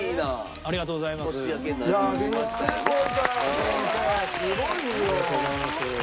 ありがとうございます。